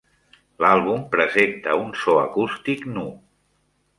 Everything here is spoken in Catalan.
L'àlbum presenta un so acústic nu.